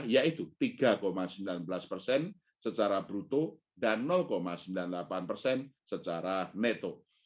yaitu tiga sembilan belas persen secara bruto dan sembilan puluh delapan persen secara neto